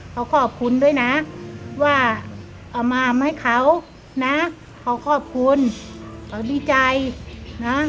เขาขอบคุณด้วยนะว่าเอามามาให้เขานะเขาขอบคุณเขาดีใจนะ